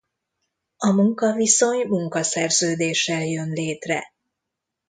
A munkaviszony munkaszerződéssel jön létre.